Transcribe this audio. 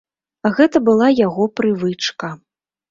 Гэта была яго прывычка.